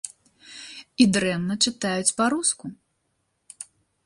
І дрэнна чытаюць па-руску.